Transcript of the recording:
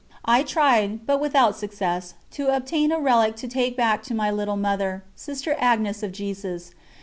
I tried, but without success, to obtain a relic to take back to my little Mother, Sister Agnes of Jesus.